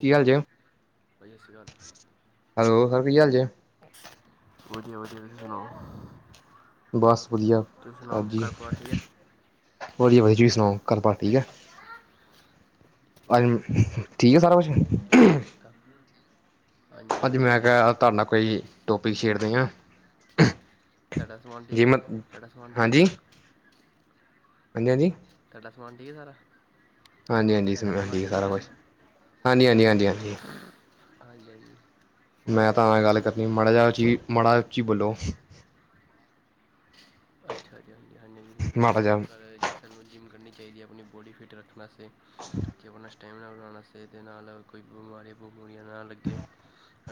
ਕੀ ਹਾਲ ਜੇ, ਭਾਜੀ ਸਤਿ ਸ਼੍ਰੀ ਅਕਾਲ ਹੈਲੋ ਸਰ ਕੀ ਹਾਲ ਜੇ। ਵਧੀਆ- ਵਧੀਆ ਜੀ ਤੁਸੀਂ ਸੁਣਾਓ? ਬਸ ਵਧੀਆ, ਤੁਸੀਂ ਸੁਣਾਓ ਹਾਂਜੀ। ਘਰ ਪਰਿਵਾਰ ਠੀਕ ਹੈ ਵਧੀਆ ਵਾ ਜੀ ਸੁਣਾਓ ਘਰ ਬਾਰ ਠੀਕ ਐ। ਅਜ ਵਧੀਆ ਵਧੀਆ ਹੋਰ ਕੀ ਠੀਕ ਐ ਸਾਰਾ ਕੁਛ? ਕਿਵੇਂ ਯਾਦ ਕੀਤਾ ਹਾਂਜੀ ਜੀ ਅਜ ਵਧੀਆ ਮੈਂ ਵਧੀਆ ਕਿਹਾ ਤੁਹਾਡੇ ਨਾ ਕੋਈ ਟੋਪਿਕ ਛੇੜਦੇ ਆਂ। ਤੁਹਾਡਾ ਸਮਾਨ ਠੀਕ ਐ -ਤਾਡਾ ਸਮਾਨ ਠੀਕ ਐ ਸਾਰਾ? ਅਂਕਲ ਜੀ। ਤੁਹਾਡਾ ਸਮਾਨ ਠੀਕ ਐ ਸਾਰਾ? ਹਾਂਜੀ- ਹਾਂਜੀ ਸ ਤੁਹਾਡਾ ਸਮਾਨ ਠੀਕ ਐ ਸਾਰਾ ਹੈ ਕੁਛ। ਹਾਂਜੀ- ਹਾਂਜੀ, ਹਾਂਜੀ- ਹਾਂਜੀ। ਹਾਂਜੀ- ਹਾਂਜੀ। ਹੋਰ ਮੈਂ ਤਾਂ ਐ ਗੱਲ ਕਰਨੀ ਮਾੜਾ ਜਾ ਚੀ ਮਾੜਾ ਉਚੀ ਬੋਲੋ। ਅੱਛਾ ਜੀ ਹਾਂਜੀ- ਹਾਂਜੀ ਮਾੜਾ ਫੇਰ ਜਿਹਾ ਅੱਜ ਕੱਲ ਸਾਨੂੰ ਜਿੰਮ ਕਰਨੀ ਚਾਹੀਦੀ ਐ ਅਪਣੀ ਬੋਡੀ ਫਿਟ ਰੱਖਣ ਵਾਸ ਤੇ, ਤੇ ਅਪਣਾ ਸਟੈਮਨਾ ਬਣਾਣ ਆਸਤੇ ਤੇ ਨਾਲ- ਨਾਲ ਕੋਈ ਬਮਾਰੀਆਂ- ਬਮੂਰੀਆਂ ਨਾ ਲਗ ਗੇ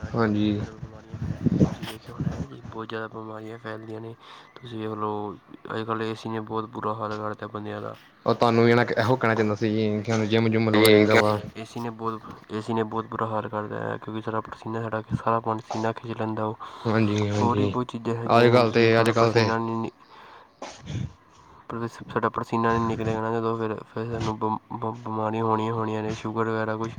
ਅੱਜ ਕੱਲ ਬੋਤ ਹਾਂਜੀ ਜ਼ਿਆਦਾ ਬਿਮਾਰੀਆਂ ਫੈਲ ਰਿਆਂ। ਤੁਸੀਂ ਦੇਖਿਆ ਹੋਣਾ ਨਾ ਜੀ ਬੋਤ ਜ਼ਿਆਦਾ ਬਿਮਾਰੀਆਂ ਫੈਲਦੀਆਂ ਨੇ। ਤੁਸੀਂ ਵੇਖ ਲੋ ਅੱਜ ਕੱਲ ਏ ਸੀ ਨੇ ਬੋਤ ਬੁਰਾ ਹਾਲ ਕਰਤਾ ਬੰਦਿਆਂ ਦਾ। ਉਹ ਤੁਹਾਨੂੰ ਵੀ ਇਹੋ ਕਹਿਣਾ ਚਾਹੁੰਦਾ ਸੀ ਕਿ ਸਾਨੂੰ ਜਿੰਮ ਜੁੰਮ [unintelligible] ਲਾਉਣਾ ਚਾਹੀਦਾ ਵਾ ਏਸੀ ਨੇ ਬੋਤ ਏਸੀ ਨੇ ਬੋਤ ਬੂਰਾ ਹਾਲ ਕਰਤਾ ਹੈ ਕਿਉਂਕਿ ਸਾਡਾ ਪਸੀਨਾ ਸਾਡਾ ਕਿ ਸਾਰਾ ਆਪਣਾ ਪਸੀਨਾ ਖਿੱਚ ਲੈਂਦਾ ਉਹ ਹਾਂਜੀ ਹੋਰ ਵੀ ਹਾਂਜੀ ਬੋਤ ਚੀਜ਼ਾਂ ਅੱਜ ਹੈਗੀਆਂ ਹੁੱਣ ਕੱਲ੍ਹ ਤੁਸੀਂ ਤੇ ਵੇਖਿਆ ਅੱਜ ਹੋਣਾ ਕੱਲ੍ਹ ਤੇ ਪਸੀਨਾ ਸਾਡਾ ਪਸੀਨਾ ਨਹੀਂ ਨਿਕਲਿਆ ਜਾਣਾ ਜਦੋਂ ਫੇਰ- ਫੇਰ ਸਾਨੂੰ ਬ- ਬ ਬਿਮਾਰੀਆਂ ਹੋਣੀਆਂ ਹੋਣੀਆਂ ਨੇ ਸ਼ੂਗਰ ਵਗੈਰਾ ਕੁਛ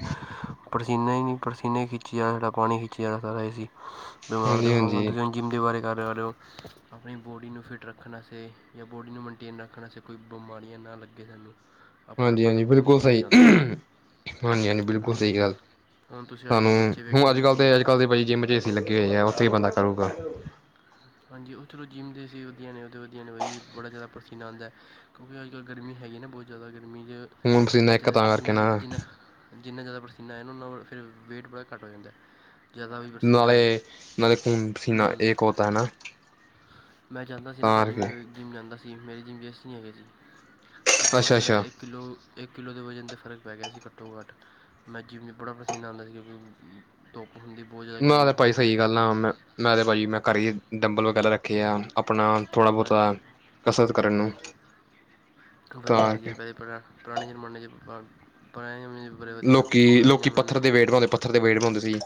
ਪਸੀਨਾ ਹੀ ਨਹੀਂ। ਪਸੀਨੇ ਖਿੱਚੀ ਜਾਰਾ ਸਾਡਾ ਪਾਣੀ ਖਿੱਚੀ ਜਾਰੇਆ ਸਾਰਾ ਏ ਸੀ ਬਿਮਾਰ ਹਾਂਜੀ ਤਾਂ ਹੋਵਾਂਗੇ ਹਾਂਜੀ ਦੂਜ ਜਿੰਮ ਦੇ ਬਾਰੇ ਗੱਲ ਕਰ ਰਹੇ ਹੋ ਆਪਣੀ ਬੋਡੀ ਨੂੰ ਫਿਟ ਰੱਖਣ ਵਾਸਤੇ ਜਾਂ ਬੋਡੀ ਨੂੰ ਮੈਨਟੇਨ ਰੱਖਣ ਵਾਸਤੇ ਕੋਈ ਬਿਮਾਰੀਆਂ ਨਾ ਲੱਗੇ ਸਾਨੂੰ। ਆਪਾਂ ਹਾਂਜੀ- ਤਾਂ ਹਾਂਜੀ ਤਦ ਆਪਣੀ ਬਿਲਕੁਲ ਜਿੰਮ ਸਹੀ। ਜਾਂਦੇ ਹਾਂ ਹੈ ਹਾਂਜੀ- ਹਾਂਜੀ ਨਾ ਬਿਲਕੁਲ ਜੀ ਸਹੀ ਗੱਲ ਹੁਣ ਤੁਸੀਂ ਅੱਜ ਸਾਨੂੰ ਕੱਲ੍ਹ ਬੱਚੇ ਵੇਖੇ ਹੁਣ ਹੋਣੇ ਅੱਜ ਨੇ ਕੱਲ ਬਹੁਤ ਤੇ ਅੱਜ ਕੱਲ ਦੇ ਬਾਈ ਜਿੰਮ ਚ ਲੱਗੇ ਹੋਏ ਹੈ ਉੱਥੇ ਹੀ ਬੰਦਾ ਸਾਨੂੰ ਕਰ। ਹਾਂਜੀ ਉਹ ਚਲੋ ਜਿੰਮ ਦੇ ਏਸੀ ਵਧੀਆ ਨੇ ਉਹਦੇ ਵਧੀਆ ਨੇ ਬਾਈ ਬੜਾ ਜ਼ਿਆਦਾ ਪਸੀਨਾ ਆੰਦਾ ਐ। ਕਿਉਂਕਿ ਅੱਜ ਕੱਲ ਗਰਮੀ ਹੈਗੀ ਨਾ ਬੋਤ ਜ਼ਿਆਦਾ ਗਰਮੀ ਚ ਖੂਨ ਪਸੀਨਾ ਇੱਕ ਬੱਚਿਆਂ ਦਾ ਤਾਂ ਕਰਕੇ ਪਸੀਨਾ ਨਾ ਸੀਨਾ। ਜਿੰਨਾ ਜ਼ਿਆਦਾ ਪਸੀਨਾ ਆਏਗਾ ਉਨਾ ਫੇਰ ਵੇਟ ਬੜਾ ਘੱਟ ਹੋ ਜਾਂਦਾ। ਜ਼ਿਆਦਾ ਵੀ ਪਸੀਨਾ ਆਏ ਨਾਲੇ- ਨਾਲੇ ਖੂਨ ਪਸੀਨਾ ਹੂੰ ਏਕ ਹੋਤਾ ਐ ਨਾ। ਮੈਂ ਜਾਂਦਾ ਸੀ ਨਾ ਤਾਂ ਭਾਜੀ ਮੈਂ ਕਰਕੇ ਜਿੰਮ ਜਾਂਦਾ ਸੀ ਮੇਰੇ ਜਿੰਮ ਵਿੱਚ ਏਸੀ ਨਹੀਂ ਹੈਗੇ ਸੀ ਘੱਟੋ- ਘੱਟ ਅੱਛਾ ਮੇਰਾ ਅੱਛਾ ਇੱਕ ਕਿੱਲੋ ਇੱਕ ਕਿੱਲੋ ਦੇ ਵਜ਼ਨ ਤੇ ਫ਼ਰਕ ਪੈ ਗਿਆ ਸੀ ਘੱਟੋ ਘੱਟ। ਮੈਂ ਜਿਮ ਚ ਬੜਾ ਪਸੀਨਾ ਆਉਂਦਾ ਸੀ ਕਿਉਂਕਿ ਧੁੱਪ ਹੁੰਦੀ ਬੋਤ ਜ਼ਿਆਦਾ ਮੈਂ ਗਰਮੀ ਤਾਂ ਭਾਈ ਹੁੰਦੀ ਮੈਂ ਸਹੀ ਜਾਂ ਗੱਲ ਆ ਮੈਂ ਮੈਂ ਤਾਂ ਭਾਜੀ ਮੈਂ ਘਰ ਹੀ ਡੰਬਲ ਵਗੈਰਾ ਰੱਖੇ ਆ ਆਪਣਾ ਥੋੜਾ ਹਾਂਜੀ ਬਹੁਤਾ ਕਸਰਤ ਕਰਨ ਨੂੰ। ਤਾਂ ਵਧੀਆ ਹੈਗੀ ਹੈ ਕਰਕੇ ਪਹਿਲੇ ਪੁਰਾ ਪੁਰਾਣੇ ਜ਼ਮਾਨੇ ਚ ਪੁਰਾਣੇ ਜ਼ਮਾਨੇ- ਬਰੇਬਾਦੀ ਕਰਦੇ ਸੀ ਲੋਕੀ- ਪੁਰਾਣੇ ਲੋਕੀ ਜ਼ਮਾਨੇ ਪੱਥਰ ਦੇ ਵੇਟ ਬਣਾਉਂਦੇ ਪੱਥਰ ਦੇ ਵੇਟ ਬਣਾਉਂਦੇ ਸੀ।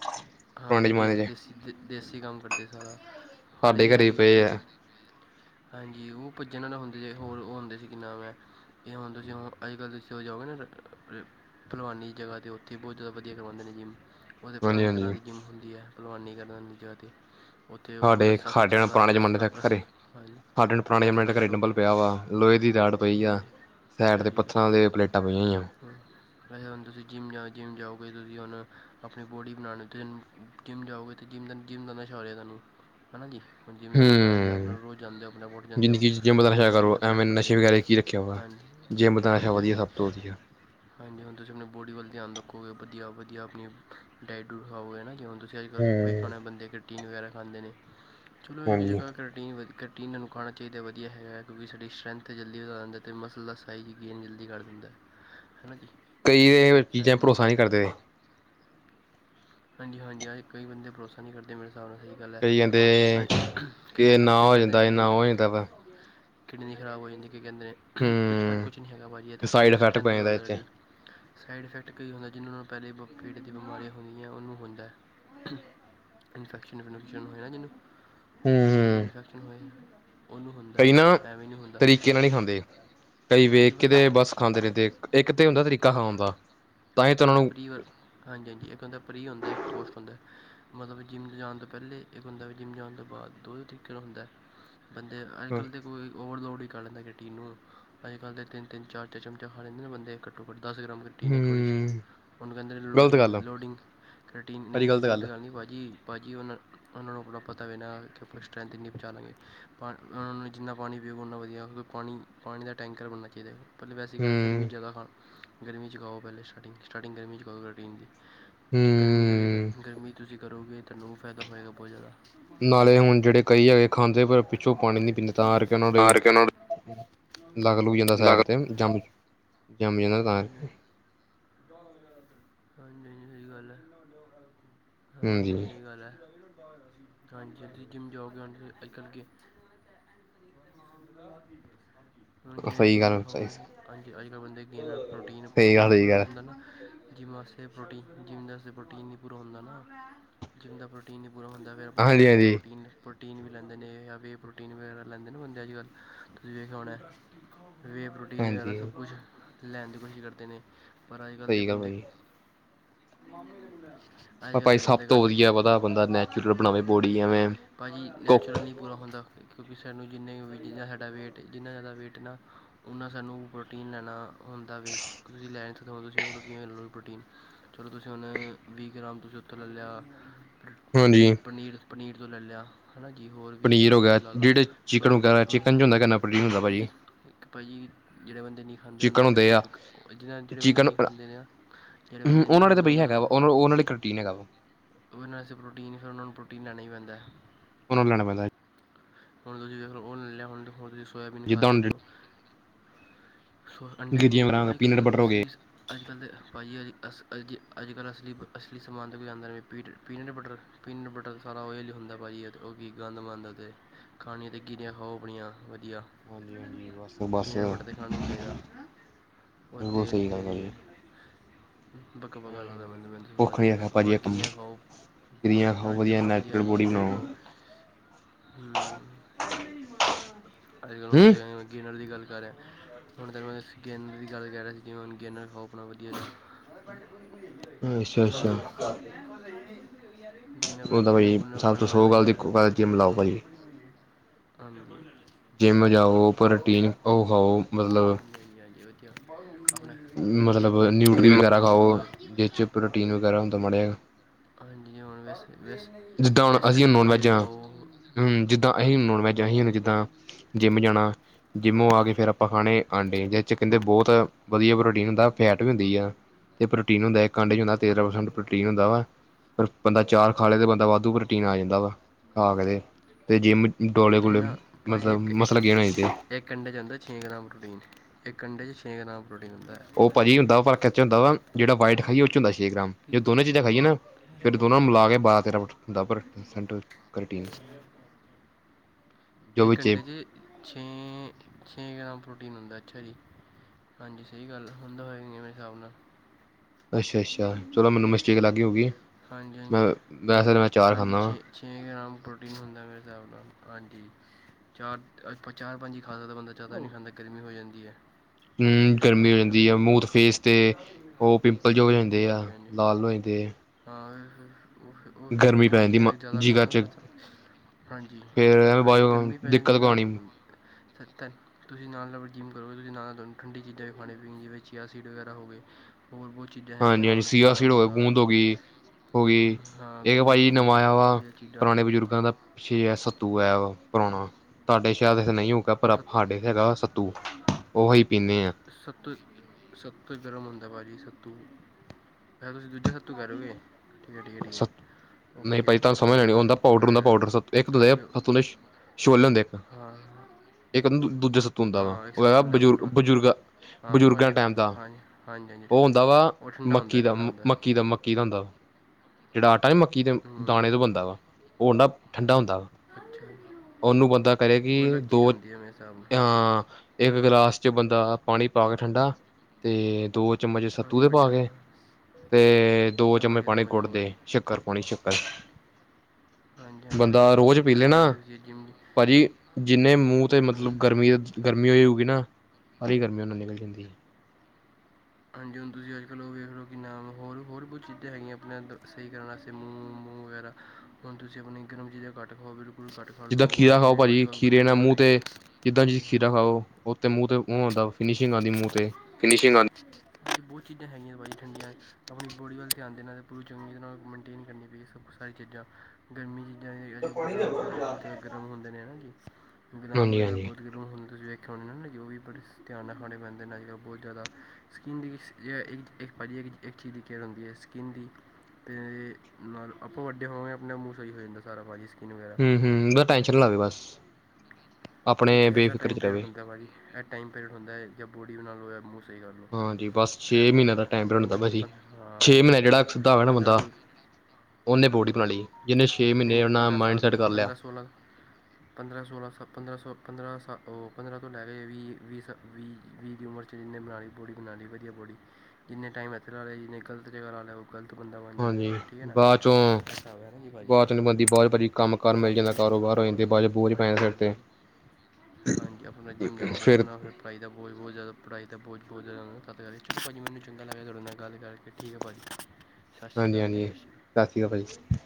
ਪੁਰਾਣੇ ਹਾਂਜੀ ਦੇ ਜ਼ਮਾਨੇ 'ਚ ਦੇਸੀ ਬ ਦੇ ਦੇਸੀ ਕੰਮ ਕਰਦੇ ਸਾਰਾ ਹਲੇ ਸਾਡੇ ਵੀ ਘਰੇ ਹੈਗੀ ਪਏ ਕਈ ਆ ਹਾਂਜੀ ਉਹ ਭੱਜਣ ਵਾਲੇ ਹੁੰਦੇ ਹੋਰ ਉਹ ਹੁੰਦੇ ਸੀ ਕਿ ਨਾਮ ਐ। ਤੇ ਹੁਣ ਤੁਸੀਂ ਹੋ ਅੱਜ ਕੱਲ [unintelligible] ਹੋ ਜਾਓਗੇ ਨਾ ਭਲਵਾਨੀ ਜਗਾ ਤੇ ਉਥੇ ਬੋਤ ਜ਼ਿਆਦਾ ਵਧੀਆ ਕਰਵਾਉਂਦੇ ਨੇ ਜਿਮ। ਉਹਥੇ ਹਾਂਜੀ ਪੁਰਾਣੀ ਤਰਾਂ ਹਾਂਜੀ ਦੀ ਜਿੰਮ ਹੁੰਦੀ ਹੈ ਪਲਵਾਨੀ ਕਰਨ ਵਾਲੀ ਜਗਾ ਤੇ। ਉੱਥੇ ਉਹ ਸਾਡੇ- ਰੱਸਾ ਸਾਡੇ ਖਿੱਚਣ ਨਾਲ ਦਾ ਪੁਰਾਣੇ ਜਮਾਨੇ ਰੱਸਾ ਦੇ ਰੱਸ ਘਰੇ ਹਾਂਜੀ ਸਾਡੇ ਨਾਲ ਪੁਰਾਣੇ ਰੱਸਾ ਜ਼ਮਾਨੇ ਦੇ ਘਰੇ ਡੰਬਲ ਚੜ੍ਹੋਗੇ ਪਿਆ ਵਾ। ਲੋਹੇ ਦੀ ਰਾੱਡੜ ਪਈ ਆ ਹਾਂਜੀ ਸੈਡ ਅੱਛਾ ਦੇ ਜੀ ਪੱਥਰਾਂ ਦੇ ਪਲੇਟਾਂ ਪਈਆਂ ਹੋਈਆਂ। ਪਹਿਲਾਂ ਤੁਸੀਂ ਜਿੰਮ ਜਾਓ ਜਿੰਮ ਜਾਓ ਗਏ ਤੁਸੀਂ ਹੁਣ ਆਪਣੀ ਬੋਡੀ ਬਣਾਉਣੇ ਜਿੰਮ ਜਾਓਗੇ ਤੇ ਜਿੰਮ ਦਾ ਜਿੰਮ ਦਾ ਨਸ਼ਾ ਹੋ ਰਿਹਾ ਤੁਹਾਨੂੰ। ਹੈ ਨਾ ਜੀ, ਹੁਣ ਜਿੰਮ ਦਾ ਨਸ਼ਾ ਹੋ ਜਾਂਦਾ ਆਪਣਾ ਹੂੰ ਰੋਜ਼ ਜਾਂਦੇ ਹੋ ਆਪਣਾ ਓੁਠ ਜਾਂਦੇ ਹੋ, ਜ਼ਿੰਦਗੀ ਚ ਜਿੰਮ ਦਾ ਨਸ਼ਾ ਸਭ ਕੁਛ ਕਰੋ ਆਪਣਾ ਐਵੇਂ ਨਸ਼ੇ ਵਗੈਰਾ ਕੀ ਰੱਖਿਆ ਵਾ, ਜਿੰਮ ਦਾ ਨਸ਼ਾ ਹਾਂਜੀ ਵਧੀਆ ਹਾਂਜੀ ਸਭ ਤੋਂ ਵਧੀਆ। [inaudible] ਹਾਂਜੀ ਹੁਣ ਤੁਸੀਂ ਆਪਣੀ ਬੋਡੀ ਵੱਲ ਧਿਆਨ ਰੱਖੋਗੇ ਵਧੀਆ ਵਧੀਆ ਆਪਣੀ ਡਾਇਟ ਡੁਇਟ ਖਾਓਗੇ ਨਾ ਜੇ ਹੁਣ ਤੁਸੀਂ ਤੁਸੀਂ ਅੱਜ ਕੱਲ ਵੇਖਿਆ ਹੂੰ ਹੋਣਾ ਬੰਦੇ ਕਰਟੀਨ ਵਗੈਰਾ ਖਾਂਦੇ ਨੇ, ਚਲੋ ਇਹਦੀ ਹਾਂਜੀ ਜਗ੍ਹਾ ਕਰਟੀਨ ਵ ਕਰਟੀਨ ਨੂੰ ਖਾਣਾ ਚਾਹੀਦਾ ਵਧੀਆ ਹੈਗਾ ਕਿਉਂਕਿ ਸਾਡੀ ਸਟਰੈਂਥ ਤੇ ਜਲਦੀ ਵਧਾ ਦਿੰਦਾ ਤੇ ਮਸਲ ਦਾ ਸਾਈਜ਼ ਗੇਨ ਜਲਦੀ ਕਰ ਦਿੰਦਾ ਹੈ ਨਾ ਜੀ? ਕਈ ਇਹ ਚੀਜ਼ਾਂ ਸਾਡਾ 'ਚ ਮਸ ਭਰੋਸਾ ਨਹੀਂ ਕਰਦੇ। ਹਾਂਜੀ- ਹਾਂਜੀ ਹਾਂ ਕਈ ਬੰਦੇ ਭਰੋਸਾ ਨਹੀਂ ਕਰਦੇ ਮੇਰੇ ਹਾਂ ਸਹੀ ਗੱਲ ਹੈ, ਕਈ ਕਹਿੰਦੇ ਅੱਜ ਕਈ, ਕਿ ਨਾ ਕਈ ਹੋ ਕਹਿੰਦੇ ਨੇ ਜਾਂਦਾ ਇਹ ਕਿਡਨੀ ਨਾ ਹੋ ਜਾਂਦਾ ਵਾ ਕਿਡਨੀ ਖ਼ਰਾਬ ਹੋ ਜਾਂਦੀ ਕਿ ਕਹਿੰਦੇ ਨੇ, ਪਰ ਹੂੰ। ਕੁਛ ਨਹੀਂ ਹੈਗਾ ਭਾਜੀ ਇਹ ਤੇ ਸਾਈਡ ਸਿਰਫ਼ ਇਫੈਕਟ ਸਟਰੈਂਥ ਪੈ ਦਾ ਜਾਂਦਾ ਇਹ ਹੁੰਦਾ ਚ ਸਾਡੀ। ਸਾਈਡ ਇਫੈਕਟ ਕੀ ਹੁੰਦਾ, ਜਿਹਨਾਂ ਨੂੰ ਪਹਿਲੇ ਪੇਟ ਦੀ ਬਿਮਾਰੀਆਂ ਹੁੰਦੀਆਂ ਉਹਨੂੰ ਹੁੰਦਾ। ਇਨਫੈਕਸ਼ਨ ਇਫੁਕਸ਼ਨ ਹੋਏ ਜਿਹਨੂੰ ਜਿਹਨੂੰ- ਜਿਹਨੂੰ ਹੂੰ ਇਨਫੈਕਸ਼ਨ ਹੋਏ, ਉਹਨੂੰ ਹੁੰਦਾ, ਕਈ ਨਾ ਐਵੇਂ ਨਹੀਂ ਹੁੰਦਾ। ਤਰੀਕੇ ਨਾਲ ਨਹੀਂ ਖਾਂਦੇ, ਕਈ ਹਾਂਜੀ ਵੇਖ ਕੇ ਤੇ ਇ- ਬਸ ਖਾਂਦੇ ਰਹਿੰਦੇ, ਇੱਕ ਤੇ ਹੁੰਦਾ ਤਰੀਕਾ ਖਾਨ ਦਾ। ਤਾਂ ਹੀ ਇੱਕ ਤਾਂ ਉਹਨਾਂ ਹੁੰਦਾ ਪ੍ਰੀ ਨੂੰ ਵ, ਹਾਂਜੀ- ਹਾਂਜੀ ਇੱਕ ਹੁੰਦਾ ਪ੍ਰੀ ਹੁੰਦਾ, ਇੱਕ ਪੋਸਟ ਹੁੰਦਾ। ਮਤਲਬ ਜਿੰਮ ਜਾਣ ਤੋਂ ਪਹਿਲੇ, ਇੱਕ ਬੰਦਾ ਜਿੰਮ ਜਾਣ ਤੋਂ ਬਾਅਦ, ਦੋਵੇਂ ਤਰੀਕੇ ਨਾਲ ਹੁੰਦਾ ਬੰਦੇ, ਅੱਜ- ਕੱਲ ਤੇ ਕੋਈਓਵਰ ਲੋੋਡ ਹੀ ਕਰ ਲੈਂਦੇ ਤਿੰਨੋ ਅੱਜ- ਕੱਲ ਦੇ ਤਿੰਨ- ਤਿੰਨ ਚਾਰ- ਚਾਰ ਚਮਚੇ ਖਾ ਲੈਂਦੇ ਬੰਦੇ ਘੱਟੋ- ਘੱਟ ਦਸ ਗ੍ਰਾਮ ਕਰਟੀਨ ਇੱਕ ਵਾਰੀ 'ਚ। ਹੂੰ ਉਹਨੂੰ ਕਹਿੰਦੇ ਨੇ ਗ਼ਲਤ ਗੱਲ ਆ ਲੋਡਿੰਗ- ਲੋਡਿੰਗ ਕਰਟੀਨ ਨਹੀਂ- ਨਹੀਂ ਗ਼ਲਤ ਗੱਲ ਨਹੀਂ ਭਾਅ ਜੀ। ਭਾਅ ਜੀ ਉਹਨਾਂ, ਉਹਨਾਂ ਨੂੰ ਆਪਣਾ ਪਤਾ ਵੀ ਨਾ ਕਿ ਆਪਾਂ ਸਟਰੈਂਥ ਇੰਨੀ ਪਹੁੰਚਾ ਲਾਂਗੇ। ਪਾ ਉਹਨਾਂ ਨੂੰ ਜਿੰਨਾ ਪਾਨੀ ਪੀਊਗਾ ਉਨਾ ਵਧੀਆ ਕਿਉਂਕਿ ਪਾਣੀ, ਪਾਣੀ ਦਾ ਟੈਂਕਰ ਬਣਨਾ ਚਾਹੀਦਾ। ਪਹਿਲੇ ਵੈਸੇ ਗੱਲ ਗਰਮੀ ਹੂੰ 'ਚ ਜ਼ਿਆਦਾ ਖਾ, ਗਰਮੀ ਚਕਾਓ ਪਹਿਲੇ ਸਟਾਰਟਿੰਗ ਸਟਾਰਟਿੰਗ ਗਰਮੀ ਚਕਾਓ ਰੂਟੀਨ ਦੀ ਗਰਮੀ ਤੁਸੀਂ, ਹੂੰ ਗਰਮੀ ਤੁਸੀਂ ਕਰੋਗੇ ਤੁਹਾਨੂੰ ਉਹ ਫੈਦਾ ਹੋਏਗਾ ਬਹੁਤ ਜ਼ਿਆਦਾ। ਨਾਲੇ ਹੁਣ ਜਿਹੜੇ ਕਈ ਹੈਗੇ ਖਾਂਦੇ ਪਰ ਪਿੱਛੋਂ ਪਾਣੀ ਨੀ ਪੀਂਦੇ ਤਾਂ ਕਰਕੇ ਉਹਨਾਂ ਦੇ। ਲਗ। ਐ ਜੰਮ ਜੰਮ ਜਾਣਾ ‌। ਹਾਂਜੀ- ਹਾਂਜੀ, ਹਾਂਜੀ ਸਹੀ ਗੱਲ ਹੈ। ਹਾਂਜੀ- ਹਾਂਜੀ ਸਹੀ ਗੱਲ ਹੈ, ਹਾਂਜੀਂ ਤੁਸੀਂ ਜਿੰਮ ਜਾਉਗੇ ਹੁਣ ਇਸ ਕਰਕੇ। ਤਾਂ ਕੀ। ਹਾਂਜੀ ਗੇਨਰ ਸਹੀ ਗੂਨੇਰ ਗੱਲ ਸਹੀ ਖਾਓਗੇ, ਹਾਂਜੀ ਅੱਜ- ਕੱਲ ਬੰਦੇ ਗੇਨਰ ਪ੍ਰੋਟੀਨ- ਸਹੀ ਗੱਲ ਪ੍ਰੋਟੀਨ ਸਹੀ ਪੂਰਾ ਨੀ ਗੱਲ ਹੁੰਦਾ ਨਾ। ਜਿੰਮ ਵਾਸਤੇ ਪ੍ਰੋਟੀਨ, ਜਿੰਮ ਵਾਸਤੇ ਪ੍ਰੋਟੀਨ ਨਹੀਂ ਪੂਰਾ ਹੁੰਦਾ ਨਾ, ਜਿੰਮ ਦਾ ਪ੍ਰੋ। ਪ੍ਰੋਟੀਨ ਨੀ ਪੂਰਾ ਹੁੰਦਾ ਪਿਆ ਆਪਣਾ ਫੇਰ ਹਾਂਜੀ ਆਪਣਾ ਹਾਂਜੀ ਪ੍ਰੋਟੀਨ ਪ੍ਰੋਟੀਨ ਵੀ ਲੈਂਦੇ ਨੇ ਜਾਂ ਫਿਰ ਪ੍ਰੋਟੀਨ ਵਗੈਰਾ ਲੈਂਦੇ ਨਾ ਬੰਦੇ ਅੱਜ- ਕੱਲ। ਤੁਸੀਂ ਵੇਖਿਆ ਹੋਣਾ, ਇਹ ਪ੍ਰੋਟੀਨ ਵਗੈਰਾ ਹਾਂਜੀ ਸਭ ਕੁਛ ਲੈਣ ਦੀ ਕੋਸ਼ਿਸ਼ ਕਰਦੇ ਨੇ। ਪਰ ਅੱਜ- ਕੱਲ ਦੇ ਸਹੀ ਗੱਲ ਬੰਦੇ। ਭਾਜੀ ਅੱਜ ਕੱਲ੍ਹ ਪਾਪਾ ਦੇ ਸਭ ਬੰਦੇ ਤੋਂ ਘੱਟ ਵਧੀਆ ਪਤਾ ਬੰਦਾ ਨੈਚੁਰਲ ਬਣਾਵੇ ਬੋਡੀ ਐਵੇਂ। ਭਾਅ ਜੀ ਕੁੱਕ ਨੈਚੁਰਲ ਨਹੀਂ ਪੂਰਾ ਹੁੰਦਾ, ਕਿਉਂਕਿ ਸਾਨੂੰ ਜਿੰਨੇ ਵੀ ਜਿੰਨਾ ਸਾਡਾ ਵੇਟ ਜਿੰਨਾ ਜ਼ਿਆਦਾ ਵੇਟ ਨਾ। ਉਹਨਾਂ ਸਾਨੂੰ ਪ੍ਰੋਟੀਨ ਲੈਣਾ ਹੁੰਦਾ ਵੇ, ਤੁਸੀਂ ਲੈਂਥ ਤੁਸੀਂ ਉਹ ਲਓ ਕਿਵੇਂ ਲੈ ਲਓ ਪ੍ਰੋਟੀਨ। ਚਲੋ ਤੁਸੀਂ ਹੁਣ, ਵੀਹ ਗ੍ਰਾਮ ਤੁਸੀਂ ਉੱਥੋਂ ਲੈ ਲਿਆ। ਹਾਂਜੀ ਪਨੀਰ, ਪਨੀਰ ਤੋਂ ਲੈ ਲਿਆ ਹਨਾ ਜੀ ਹੋਰ ਵੀਹ ਗਰਾਮ ਤੁਸੀਂ ਲਾ ਲਓ ਸੋਇਆ ਐਹ ਚਿਕਨ 'ਚ ਹੁੰਦਾ ਨਕਲੀ ਹੁੰਦਾ ਭਾਅ ਜੀ। ਭਾਜੀ ਜਿਹੜੇ ਬੰਦੇ ਨਹੀਂ ਖਾਂਦੇ ਉਹਨਾਂ ਚਿਕਨ ਸਿਰ ਹੁੰਦੇ ਤੇ ਆ ਜਿਹੜੇ ਬੰਦੇ ਨਹੀਂ ਖਾਂਦੇ ਨਾ। ਹੂੰ ਉਹਨਾਂ ਦਾ ਤੇ ਬਈ ਹੈਗਾ ਵਾ ਉਹ ਉਹ ਇੱਕ ਕਰਟੀਨ ਹੈਗਾ ਵਾ ਉਹਨਾਂ ਚੋ ਪ੍ਰੋਟੀਨ ਫਿਰ ਉਹਨਾਂ ਨੂੰ ਪ੍ਰੋਟੀਨ ਲੈਣਾ ਹੀ ਪੈਂਦਾ ਐ ਉਹਨੂੰ ਲੈਣਾ ਪੈਂਦਾ ਐ ਹੁਣ ਤੁਸੀਂ ਵੇਖੋ ਉਹ ਲੈ ਲਿਆ ਹੁਣ ਤੁਸੀਂ ਸੋਇਆਬੀਨ ਖਾ ਜਿੱਦਾਂ ਸਕਦੇ ਹੁਣ ਓ ਸੋਸ ਅੰਡੇ ਵੀ ਨਹੀਂ ਗਿਰੀਆਂ ਵਗੈਰਾ ਅੱਜ ਕੱਲ ਪੀਨਟ ਤੇ ਬਟਰ ਹੋ ਗਏ ਅਸਲੀ ਈਜ ਅੱਜ ਕੱਲ ਤੇ ਭਾਅ ਜੀ ਅੱਜ ਕੱਲ ਅਸਲੀ ਅਸਲੀ ਸਮਾਨ ਤੇ ਕੋਈ ਆਂਦਾ ਨੀ ਪੀ ਪੀਨਟ ਬਟਰ ਪੀਨਟ ਬਟਰ ਸਾਰਾ ਓਏਲਾ ਹੁੰਦਾ ਭਾਅ ਜੀ ਅਤੇ ਉਹ ਕੀ ਗੰਦ ਮੰਦ ਅਤੇ ਖਾਣੀ ਤੇ ਗਿਰੀਆ ਖਾਓ ਆਪਣੀਆਂ ਵਧੀਆ ਹਾਂਜੀ ਹਾਂਜੀ ਉਹ ਬਸ ਪੀਨਟ ਬਟਰ ਤਾਂ ਖਾਣਾ ਨਹੀਂ ਚਾਹੀਦਾ ਉਹ ਬਿਲਕੁਲ ਤੇਲ ਸਹੀ ਗੱਲ ਤੇਲ ਈ ਐ ਭਾਜੀ ਬੱਕ ਬੱਕਾ ਐਵੇਂ ਲੱਗਦਾ ਨੀ ਮੈਨੂੰ ਵੀ ਇਹ ਸੁਵਾਦ ਭੁੱਖ ਨੀ ਰੱਖਿਆ ਹੈਗਾ ਭਾਜੀ ਬਹ ਇਹ ਕੰਮ ਗਿਰੀਆਂ ਖਾਓ ਗਿਰੀਆਂ ਖਾਓ ਹਾਂਜੀ ਆਪਣਾ ਵਧੀਆ ਨੈਚੁਰਲ ਜੀ ਬੋਡੀ ਡਾਇਟ ਬਣਾਓ ਖਾਓ ਹੂੰ ਓਏ ਮੇਰੀ ਮਾਂ ਅੱਜ ਕੱਲ੍ਹ ਹੁਣ ਹੂੰ ਤੁਸੀਂ ਗੇਨਰ ਦੀ ਗੱਲ ਕਰ ਰਿਹਾ ਹੁਣ ਤੇਨੂੰ ਮੈਂ ਦੱਸੀ ਈ ਗੇਨਰ ਦੀ ਗੱਲ ਕਹਿ ਰਿਹਾ ਸੀ ਜਿਵੇਂ ਹੁਣ ਗੇਨਰ ਖਾਓ ਆਪਣਾ ਆ ਵਧੀਆ ਜਿਆ ਅੱਛਾ ਹੁ ਅੱਛਾ ਜਿੰਨੇ ਆਪਣਾ ਉਹ ਤਾਂ ਗੇਨਰ ਭਾਜੀ ਗੁਨਰ ਸਭ ਤੋਂ ਖਾਣਾ ਹੋਏ ਸੌ ਗੱਲ ਦੀ ਵਧੀਆ ਇੱਕੋ ਗੱਲ ਜਿੰਮ ਲਾਓ ਭਾਜੀ ਹਾਂਜੀ ਜਿੰਮ ਜਾਓ ਪ੍ਰੋਟੀਨ ਉਹ ਖਾਓ ਮਤਲਬ ਹਾਂਜੀ ਹਾਂਜੀ ਵਧੀਆ ਆਪਣਾ ਵਧੀਆ ਮਤਲਬ ਆਪਣਾ ਨਿਊਟਰੀ ਵਗੈਰਾ ਪ੍ਰੋਟੀਨ ਖਾਓ ਪੂਰਾ ਜਿਸ 'ਚ ਪ੍ਰੋਟੀਨ ਵਗੈਰਾ ਕਰੋ ਹੁੰਦਾ ਮਾੜਾ ਜਿਹਾ ਹਾਂਜੀ ਜਿਵੇਂ ਹੁਣ ਵੇਸ ਬੇਸਨ ਨੋਨ ਪੂੜੇ ਵੈੱਜ ਜੇ ਹਾਂ ਖਾਓ ਹੂੰ ਜਿੱਦਾਂ ਅਹੀ ਹੁਣ ਨੋਨ ਵੈਜ ਆਹੀ ਹਾਂਜੀ ਹੁਣ ਹਾਂਜੀ। ਜਿੱਦਾਂ ਜਿੰਮ ਜਾਣਾ ਜਿੰਮੋਂ ਆ ਕੇ ਫੇਰ ਆਪਾਂ ਖਾਣੇ ਆਂਡੇ ਜਾਂ ਚਿਕਨ ਦੇ ਬਹੁਤ ਐ ਵਧੀਆ ਪ੍ਰੋਟੀਨ ਹੁੰਦਾ ਫੈਟ ਵੀ ਹੁੰਦੀ ਆ ਤੇ ਪ੍ਰੋਟੀਨ ਹੁੰਦਾ ਐ ਇੱਕ ਅੰਡੇ ਚ ਹੁੰਦਾ ਤੇਰਾਂ ਪ੍ਰਸੈਂਟ ਪ੍ਰੋਟੀਨ ਹੁੰਦਾ ਵਾ ਪਰ ਬੰਦਾ ਚਾਰ ਖਾ ਲੇ ਬੰਦ ਅਦਾ ਵਾਧੂ ਪ੍ਰੋਟੀਨ ਆ ਜਾਂਦਾ ਵਾ ਖਾ ਕੇ ਤੇ ਤੇ ਜਿੰਮ ਡੌਲੇ ਡੂਲੇ ਕਿੰਨਾ ਭਾਜੀ ਮਤਲਬ ਇੱਕ ਇੱਕ ਮਸਲ ਗੇਣ ਹੋ ਜਾਂਦੇ ਏ ਇੱਕ ਅੱਡੇ ਚੋ ਹੁੰਦਾ ਐ ਛੇ ਗ੍ਰਾਮ ਪ੍ਰੋਟੀਨ ਇੱਕ ਅੱਡੇ ਚ ਛੇ ਗ੍ਰਾਮ ਪ੍ਰੋਟੀਨ ਹੁੰਦਾ ਐ ਉਹ ਭਾਜੀ ਹੁੰਦਾ ਪਰ ਕੀਚ ਹੁੰਦਾ ਵਾ ਜਿਹੜਾ ਵਾਟ ਖਾਈ ਏ ਉਹ ਚ ਹੁੰਦਾ ਛੇ ਗ੍ਰਾਮ ਜੇ ਦੋਨੋ ਚੀਜ਼ਾਂ ਖਾਈਏ ਨਾ ਫੇਰ ਦੋਨਾਂ ਨੂੰ ਮਿਲਾ ਕੇ ਬਾਰਾਂ ਤੇਰਾਂ ਹੁੰਦਾ ਪਰਸੈਂਟ ਕਰਟੀਨ ਇੱਕ ਵਿੱਚ ਅੱਡੇ ਚ ਛੇਏ ਛੇ ਗ੍ਰਾਮ ਪ੍ਰੋਟੀਨ ਹੁੰਦੈ ਅੱਛਾ ਜੀ ਹਾਂਜੀ ਸਹੀ ਗੱਲ ਐ ਹੁੰਦਾ ਹੋਏਗਾ ਮੇਰੇ ਹਿਸਾਬ ਨਾਲ ਅੱਛਾ-ਅੱਛਾ ਚਲੋ ਮੈਨੂੰ ਮਸਟੇਕ ਲੱਗ ਗੀ ਹੋਊਗੀ ਹਾਂਜੀ ਮੈਂ ਫੇਰ ਮੈਂ ਚਾਰ ਖਾਂਦਾ ਵਾ ਛੇ ਗ੍ਰਾਮ ਪ੍ਰੋਟੀਨ ਹੁੰਦੈ ਐ ਮੇਰੇ ਹਿਸਾਬ ਨਾਲ, ਹਾਂਜੀ ਚਾਰ ਆ ਤੇ ਚਾਰ ਪੰਜ ਹੀ ਖਾ ਸਕਦਾ ਬੰਦਾ ਜ਼ਿਆਦਾ ਨੀ ਖਾਂਦਾ ਗਰਮੀ ਹੋ ਜਾਂਦੀ ਐ ਹੂੰ ਗਰਮੀ ਹੋ ਜਾਂਦੀ ਐ ਮੂ ਤੇ ਫੇਸ ਤੇ ਜੀ ਹਾਂਜੀ ਉਹ ਪਿੰ ਪਲਜ ਹੋ ਜਾਂਦੇ ਆ ਹਾਂਜੀ ਹਾਂਜੀ ਲਾਲ ਹੋ ਜਾਂਦੇ ਏ ਹਾਂ ਫਿਰ ਫ ਉਹ ਪੈ ਫਿਰ [unintelligible] ਜਾਂਦੀ ਜ਼ਿਆਦਾ ਜਿਗਰ ਖਵਾਨਾ ਚ [unintelligible] [unintelligible] ਹਾਂਜੀ ਫੇਰ ਐਵੇਂ ਹਾਂਜੀ ਬਾਅਦ ਗਰਮੀ ਪੈ ਜਾਂਦੀ ਦਿੱਕਤ ਨਾਲ ਕਰਾਉਣੀ ਹਾਂਜੀ ਤੇ ਤੇਨ ਤੁਸੀਂ ਨਾਲ ਲਵੋ ਜਿੰਮ ਕਰੋਗੇ ਤੁਸੀਂ ਨਾਲ ਠੰਡੀ ਚੀਜ਼ਾਂ ਵੀ ਖਾਣ ਪੀਣੀਆਂ ਜਿਵੇਂ ਚੀਆ ਸੀਡ ਵਗੈਰਾ ਹੋ ਗਏ ਹੋਰ ਬਹੁਤ ਚੀਜ਼ਾਂ ਹਾਂਜੀ ਹੈਗੀਆਂ ਹਾਂਜੀ ਹੁਣ ਕੀ ਸੀਆ ਸੀਡ ਨਾਮ ਹੋਗੇ ਉਹਦਾ ਗੂੰਦ ਹੋਗੀ ਈ ਹੋ ਗਈ ਹਾਂ ਏਕ ਗੂੰਦ ਭਾਈ ਹੋ ਗਈ ਨਵਾਂ ਆਇ ਵਾ ਵਧੀਆ ਚੀਜ਼ਾਂ ਪੁਰਾਣੇ ਬਜ਼ੁਰਗਾਂ ਦਾ ਪਿੱਛੇ ਜੀ ਆਇਆ ਸੱਤੂ ਆਇਆ ਵਾ ਪੁਰਾਣਾ ਤਾਡੇ ਸ਼ਾਇਦ ਇਥੇ ਨਹੀਂ ਹੋਉ ਬੈਅ ਉਹ ਪਰਾ ਹਾਡੇ ਸੱਤ ਤੇ ਹੈਗਾ ਸੱਤੂ ਉਹੀ ਪੀਣੇ ਆ ਸੱਤੂ ਸੱਤੂ ਗਰਮ ਹੁੰਦਾ ਭਾਅ ਜੀ ਸੱਤੂ ਐ ਤੁਸੀਂ ਦੂਜਾ ਸੱਤੂ ਤੂ ਘਰ ਮੇ ਹੈ ਠੀਕ ਹੈ ਠੀਕ ਹੈ ਠੀਕ ਐ ਸ ਨਹੀਂ ਭਾਈ ਤਾਨੂੰ ਸਮਝ ਲੈਣੀ ਓ ਹੁੰਦਾ ਪਾਊਡਰ ਹੁੰਦਾ ਰਹੇ ਹੋ ਪਾਊਡਰ ਇੱਕ ਹੁੰਦੇ ਆ ਹਾਂਜੀ ਉਹ- ਸੱਤੂ ਦੇ ਛੋਲੇ ਹੁੰਦੇ। ਹਾਂ। ਇੱਕ ਹੁੰਦੇ ਦੂਜੇ ਸ ਹੁੰਦਾ ਵਾ ਹਾਂ ਇੱਕ ਉਹ ਸੌ ਹੈਗਾ ਛੋਲੇ ਦਾ ਬਜ਼ੁਰਗ ਪਾਊਡਰ ਬਜ਼ੁਰਗਾਂ ਹਾਂ ਸਮਝ ਬਜ਼ੁਰਗਾਂ ਗਿਆ ਦੇ ਟੈਮ ਦਾ ਹਾਂਜੀ ਹਾਂਜੀ ਹਾਂਜੀ ਉਹ ਹੁੰਦਾ ਵਾ ਉਹ ਠੰਡਾ ਮੱਕੀ ਹੁੰਦਾ ਦਾ ਠੰਡਾ ਹੁੰਦਾ ਮੱਕੀ ਦਾ ਮੱਕੀ ਦਾ ਹੁੰਦਾ। ਜਿਹੜਾ ਆਟਾ ਨਾ ਮੱਕੀ ਦੇ ਦਾਣੇ ਤੋਂ ਹੂੰ ਬਣਦਾ ਵਾ ਉਹ ਹੁੰਦਾ ਠੰਡਾ ਹੁੰਦਾ ਵਾ। ਅੱਛਾ ਜੀ, ਉਹਨੂੰ ਬੰਦਾ ਕਰੇ ਕਿ ਉਹ ਅਲੱਗ ਚੀਜ਼ ਦੋ ਹੁੰਦੀ ਹੈ ਮੇਰੇ ਹਿਸਾਬ ਨਾਲ ਹਾ ਇੱਕ ਗਲਾਸ ਚ ਬੰਦਾ ਪਾਣੀ ਪਾ ਕੇ ਠੰਡਾ ਤੇ ਦੋ ਚਮਚ ਸੱਤੂ ਹਾਂਜੀ ਦੇ ਪਾ ਮਿੱਠਾ ਕੇ ਤੇ ਦੋ ਸਮਝ ਚੰਮਚ ਗਿਆ ਪਾਨੇ ਸਮਝ ਗੁੜ ਗਿਆ ਬਾਈ ਦੇ ਸ਼ੱਕਰ ਪਾਨੀ ਸ਼ੱਕਰ ਹਾਂਜੀ ਹਾਂਜੀ ਤੁਸੀਂ ਬੰਦਾ ਬਣਾਓ ਰੋਜ਼ ਪੀ ਵਧੀਆ ਲੇ ਅੱਜ-ਕੱਲ੍ਹ ਨਾ ਤੇ ਤੁਸੀ ਜਿੰਮ ਵੀ ਭਾਜੀ ਜਿੰਨੇ ਮੂੰਹ ਤੇ ਮਤਲਬ ਗਰਮੀ ਦੇ ਗਰਮੀ ਹੋਈ ਹੋਊਗੀ ਨਾ ਸਾਰੀ ਗਰਮੀ ਉਦੇ ਨਾਲ ਨਿਕਲ ਜਾਂਦੀ ਐ। ਹਾਂਜੀ ਹੁਣ ਤੁਸੀਂ ਅੱਜ-ਕੱਲ੍ਹ ਉਹ ਵੇਖ ਲਓ ਕਿਨਾ ਹੋਰ ਹੋਰ ਬਹੁਤ ਚੀਜ਼ਾਂ ਹੈਗੀਆਂ ਆਪਣਾ ਦ ਸਹੀ ਕਰਨ ਵਾਸਤੇ ਮੋ ਮੌ ਵਗੈਰਾ ਹੁਣ ਤੁਸੀਂ ਆਪਣੀ ਗਰਮ ਚੀਜ਼ਾਂ ਘੱਟ ਖਾਓ ਬਿਲਕੁਲ ਘੱਟ ਕਰ ਜਿੱਦਾਂ ਦਿਓ ਹੋਰ ਖੀਰਾ ਖਾਓ ਜਿਵੇਂ ਅੱਜ ਭਾਜੀ, ਕੱਲ੍ਹ ਬੰਦੇ ਖੀਰੇ ਨਾਲ ਕੋਲਡ ਮੂੰਹ ਤੇ ਡਰਿੰਕ ਜਿੱਦਾਂ ਜ ਖੀਰਾ ਹਾਂਜੀ ਖਾਓ ਓ ਤੇ ਮੂੰਹ ਤੇ ਗਲੋ ਆਦਾ ਫਿਨੀਸ਼ਿੰਗ ਆਦੀ ਐ ਮੂੰਹ ਤੇ। ਫਿਨੀਸ਼ਿੰਗ ਆ ਬਹੁਤ ਚੀਜ਼ਾਂ ਹੈਗੀਆ ਭਾਜੀ ਠੰਡੀਆਂ ਆਪਣੀ ਬੋਡੀ ਵੱਲ ਧਿਆਨ ਦੇ ਨਾਲ ਪੂਰੀ ਚੰਗੀ ਤਰ੍ਹਾਂ ਮੇਨਟੇਨ ਕਰਨੀ [unintelligible] ਸਾਰੀ ਚੀਜ਼ਾਂ ਗਰਮ ਚੀਜ਼ਾਂ ਜਿੱਦਾਂ ਜੀ ਬਦਾਮ ਵਗੈਰਾ ਵੀ ਬਹੁਤ ਜ਼ਿਆਦਾ ਗਰਮ ਹੁੰਦੇ ਨੇ ਹੈਨਾ ਜੀ ਬਦਾਮ ਹਾਂਜੀ ਵਗੈਰਾ ਹਾਂਜੀ ਬਹੁਤ ਹੁਣ ਤੁਸੀਂ ਵੇਖਿਆ ਹੋਣਾ ਨਾ ਜੋ ਵੀ ਬੜੇ ਧਿਆਨ ਨਾਲ ਖਾਣੇ ਪੈਂਦੇ ਨੇ ਅੱਜ-ਕੱਲ੍ਹ ਬਹੁਤ ਜ਼ਿਆਦਾ ਸਕਿੰਨ ਦੀ ਇੱਕ [unintelligible] ਭਾਜੀ ਇੱਕ ਚੀਜ਼ ਦੀ ਕੇਅਰ ਹੁੰਦੀ ਐ ਸਕਿੰਨ ਦੀ ਤੇ ਨਾਲ ਆਪਾਂ ਵੱਡੇ ਹੋਵਾਂਗੇ ਆਪਣਾ ਮੂੰਹ ਸਹੀ ਹੋ ਜਾਂਦਾ ਸਾਰਾ ਭਾਜੀ ਵਗੈਰਾ ਹੂੰ ਹੂੰ ਉਹਦਾ ਟੈਨਸ਼ਨ ਨਾ ਲਵੇ ਬਸ ਆਪਣੇ ਇੱਕ ਐਸਾ ਬੇਫਿਕਰ ਟਾਈਮ ਚ ਪੀਰੀਅਡ ਰਵੇ ਹੁੰਦਾ ਭਾਜੀ ਐਹ ਟਾਈਮ ਪੀਰੀਅਡ ਹੁੰਦਾ ਏ ਜੋ ਬੋਡੀ ਬਣਾਨ ਨਾਲ [unintelligible] ਸਹੀ ਗੱਲ ਹਾਂਜੀ ਬਸ ਇਹ ਛੇ ਬਾਹ ਮਹੀਨੇ ਦਾ ਟਾਈਮ ਪੀਰੀਅਡ ਹੁੰਦਾ ਪੰਦਰਾਂ ਭਾਜੀ ਪੰ ਛੇ ਹਾਂ ਮਹੀਨੇ ਜਿਹੜਾ ਪੰਦਰਾਂ ਸਿੱਧਾ ਹੋਇਆ ਨਾ ਪੰਦਰਾਂ ਬੰਦਾ ਤੋਂ ਉਹਨੇ ਬੋਡੀ ਬਣਾ ਲਈ ਜਿਹਨੇ ਛੇ ਮਹੀਨੇ ਨਹੀਂ ਆਪਣਾ ਪੰਦਰਾਂ ਮਾਇੰਡ ਸਾਲ ਸੈਟ ਤੋਂ ਕਰ ਲਿਆ ਪੰਦਰਾਂ ਸੋਲਾਂ ਪੰਦਰਾਂ ਸੋਲਾਂ ਸ ਪੰਦਰਾਂ ਸੌ ਪੰਦਰਾਂ ਸ ਉਹ ਪੰਦਰਾਂ ਤੋਂ ਲੈ ਕੇ ਵੀਹ ਵੀਹ ਸ ਵੀਹ ਵੀਹ ਦੀ ਉਮਰ 'ਚ ਜਿੰਨੇ ਬਣਾ ਲਈ ਬਾਡੀ ਬਣਾ ਲਈ ਵਧੀਆ ਬਾਡੀ ਜਿੰਨੇ ਟਾਈਮ ਇਥੇ ਲਾ ਲਿਆ ਜਿੰਨੇ ਗਲਤ ਜਗਾ ਲਾ ਲਿਆ ਉਹ ਗਲਤ ਬੰਦਾ ਬਣ ਜਾਂਦਾ ਹਾਂਜੀ ਫਿਰ ਠੀਕ ਹੈ ਨਾ ਬਾਅਦ ਚੋਂ ਐਸਾ ਹੋਇਆ ਨਾ ਜੀ ਭਾਜੀ ਬਾਅਦ ਚੋਂ ਨ ਬੰਦੀ ਬੋਤ ਪਾਜੀ ਕੰਮ ਕਾਰ ਆਪਣਾ ਮਿਲ ਜਾਂਦਾ ਬੋਡੀ ਕਾਰੋਬਾਰ ਹੋ ਜਾਂਦੇ ਆਪਣਾ ਜੀ ਬਾਦ ਚ ਬੋਝ ਪੈ ਜਾਂਦਾ ਹਾਂਜੀ ਸਿਰ ਤੇ ਹਾਂਜੀ, ਹਾਂਜੀ ਆਪਣਾ ਜਿੰਮ ਜੁਮ ਜਾਉ ਆਪਣਾ ਫਿਰ ਪੜਾਈ ਦਾ ਬੋਝ ਬਹੁਤ ਜ਼ਦਾ ਪੜਾਈ ਦਾ ਬੋਝ ਬਹੁਤ ਜ਼ਿਆਦਾ ਹੋ ਜਾਂਦਾ ਤਦ ਕਰਕੇ ਚਲੋ ਪਾਜੀ ਮੈਨੂੰ ਚੰਗਾ ਲਗਿਆ ਤੁਹਾਡੇ ਨਾਲ ਗੱਲ ਕਰਕੇ ਠੀਕ ਹੈ ਪਾਜੀ ਹਾਂਜੀ ਹਾਂਜੀ ਸਤਿ ਸ਼੍ਰੀ ਅਕਾਲ ਭਾਜੀ